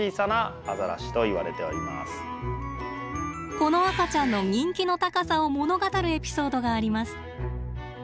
この赤ちゃんの人気の高さを物語るエピソードがあります。